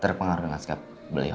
terpengaruh dengan sikap beliau